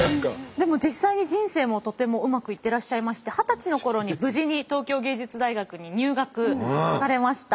でも実際に人生もとてもうまくいってらっしゃいまして二十歳の頃に無事に東京藝術大学に入学されました。